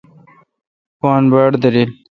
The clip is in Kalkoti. پان باڑ داریل۔